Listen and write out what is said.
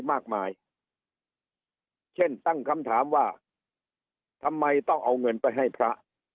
มากมายเช่นตั้งคำถามว่าทำไมต้องเอาเงินไปให้พระ